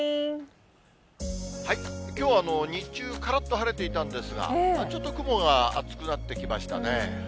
きょう、日中からっと晴れてたんですが、ちょっと雲が厚くなってきましたね。